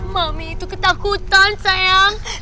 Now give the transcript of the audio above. mami itu ketakutan sayang